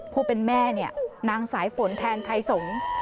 ผู้เป็นแม่เนี่ยนางสายฝนแทนไทยสงฆ์